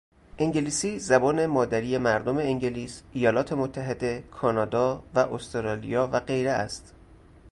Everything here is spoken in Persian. انگلیسی زبان مادری مردم انگلیس، ایالات متحده، کانادا و استرالیا و غیره است.